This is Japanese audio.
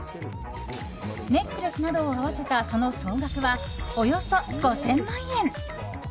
ネックレスなどを合わせたその総額は、およそ５０００万円。